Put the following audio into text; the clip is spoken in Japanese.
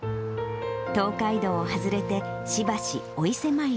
東海道を外れて、しばしお伊勢参り。